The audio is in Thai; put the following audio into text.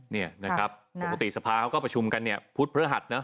เนี่ยนะครับปกติสภาเขาก็ประชุมกันเนี่ยพุธพระหัสนะ